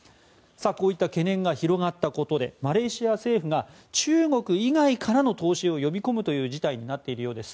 こういった懸念が広がったことでマレーシア政府が中国以外からの投資を呼び込む事態になっているようです。